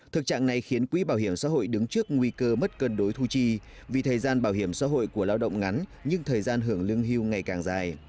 thực trạng này khiến quỹ bảo hiểm xã hội đứng trước nguy cơ mất cân đối thu chi vì thời gian bảo hiểm xã hội của lao động ngắn nhưng thời gian hưởng lương hưu ngày càng dài